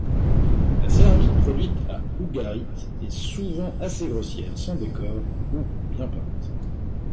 La céramique produite à Ougarit est souvent assez grossière, sans décors, ou bien peinte.